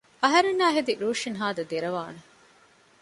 އަހަރެންނާހެދި ރޫޝިން ހާދަ ދެރަވާނެ